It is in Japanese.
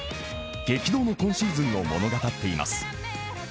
激動の今シーズンを物語っています。